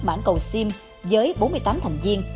mãn cầu xiêm với bốn mươi tám thành viên